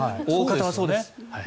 大方はそうです。